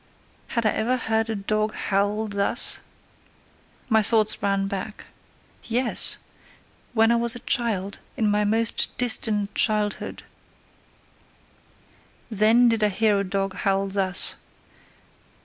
Had I ever heard a dog howl thus? My thoughts ran back. Yes! When I was a child, in my most distant childhood: Then did I hear a dog howl thus.